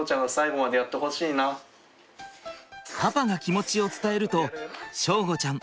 パパが気持ちを伝えると祥吾ちゃん